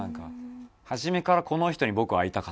初めからこの人に僕は会いたかったみたいな。